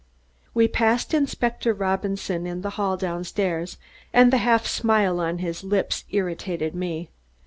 We passed Inspector Robinson in the hall down stairs and the half smile on his lips irritated me.